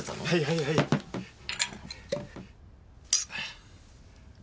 はいはいはい。